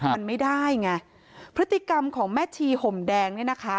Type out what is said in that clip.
มันไม่ได้ไงพฤติกรรมของแม่ชีห่มแดงเนี่ยนะคะ